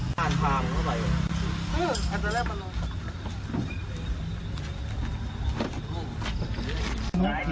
ผ่านผ่านเข้าไป